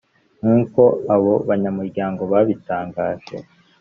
nkuko abo banyamuryango babitangaje